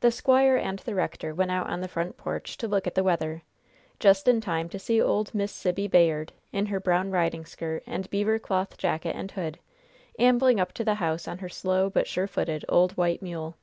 The squire and the rector went out on the front porch to look at the weather, just in time to see old Miss Sibby Bayard, in her brown riding skirt and beaver cloth jacket and hood, ambling up to the house on her slow, but sure footed, old, white mule.